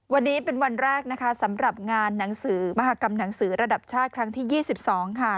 วันนี้เป็นวันแรกนะคะสำหรับงานหนังสือมหากรรมหนังสือระดับชาติครั้งที่๒๒ค่ะ